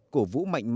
cổ vũ mạnh mẽ